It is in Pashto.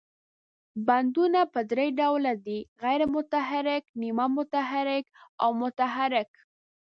بندونه په درې ډوله دي، غیر متحرک، نیمه متحرک او متحرک.